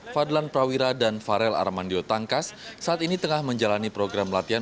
fadlan prawira dan farel armandio tangkas saat ini tengah menjalani program latihan